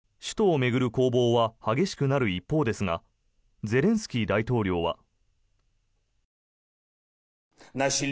首都を巡る攻防は激しくなる一方ですがゼレンスキー大統領は。